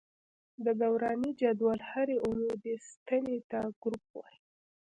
د دوراني جدول هرې عمودي ستنې ته ګروپ وايي.